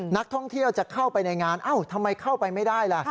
นักท่องเที่ยวจะเข้าไปในงานเอ้าทำไมเข้าไปไม่ได้ล่ะ